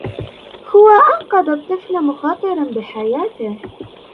هو أنقذ الطفل مخاطراً بحياته.